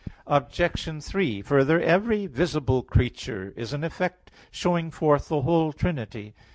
Obj. 3: Further, every visible creature is an effect showing forth the whole Trinity.